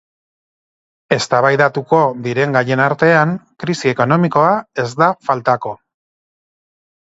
Eztabaidatuko diren gaien artean, krisi ekonomikoa ez da faltako.